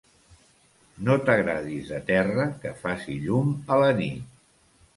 No t'agradis de terra que faci llum a la nit.